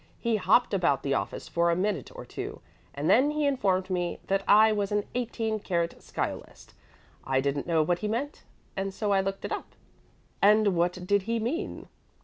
He hopped about the office for a minute or two, and then he informed me that I was an 18 karat sciolist. I didn't know what he meant, and so I looked it up." "And what did he mean?"